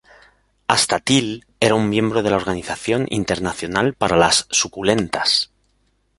Hasta Till era un miembro de la Organización Internacional para las Suculentas.